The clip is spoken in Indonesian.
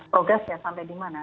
progresnya sampai di mana